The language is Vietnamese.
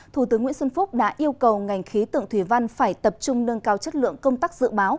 thủ tướng nguyễn xuân phúc đã yêu cầu ngành khí tượng thủy văn phải tập trung nâng cao chất lượng công tác dự báo